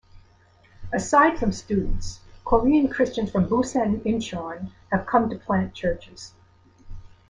Aside from students, Korean Christians from Busan and Incheon have come to plant churches.